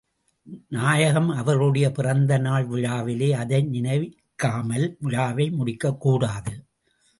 நாயகம் அவர்களுடைய பிறந்த நாள் விழாவிலே அதை நினைக்காமல் விழாவை முடிக்கக் கூடாது.